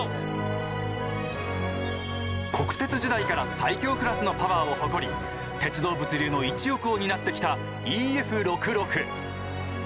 国鉄時代から最強クラスのパワーを誇り鉄道物流の一翼を担ってきたＥＦ６６。